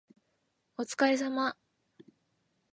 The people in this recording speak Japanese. お疲れ様